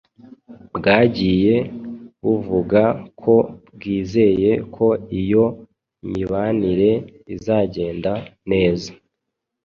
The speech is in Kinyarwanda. bwagiye buvuga ko bwizeye ko iyo mibanire izagenda neza